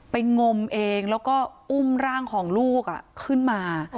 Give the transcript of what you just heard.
งมเองแล้วก็อุ้มร่างของลูกขึ้นมา